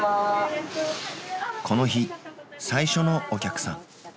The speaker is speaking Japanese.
この日最初のお客さん。